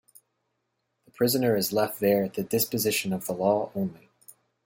The prisoner is left there at the disposition of the law only.